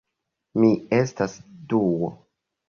Mi estas Duo